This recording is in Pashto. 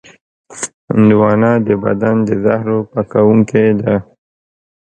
هندوانه د بدن د زهرو پاکوونکې ده.